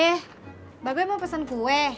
mbak gue mau pesen kue